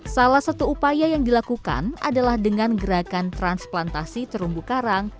salah satu upaya yang dilakukan adalah dengan gerakan transplantasi terumbu karang